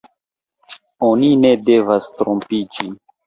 Oni ne devas trompiĝi.